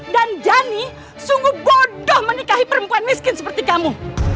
dan dhani sungguh bodoh menikahi perempuan miskin seperti kamu